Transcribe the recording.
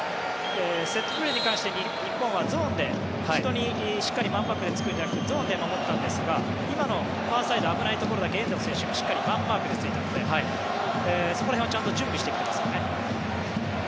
セットプレーに関して日本はゾーンで人にしっかりマンマークでつくのではなくゾーンで守ったんですが今のファーサイド危ないところだけ遠藤選手がしっかりマンマークでついているので、そこら辺は準備してきていますよね。